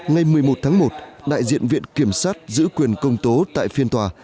ngày một mươi một tháng một đại diện viện kiểm sát giữ quyền công tố tại phiên tòa